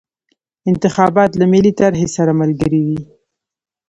انتخابات له ملي طرحې سره ملګري وي.